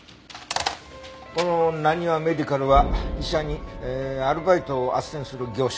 この浪速メディカルは医者にアルバイトを斡旋する業者。